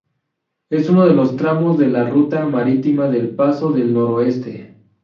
Es uno de los tramos de la ruta marítima del paso del Noroeste.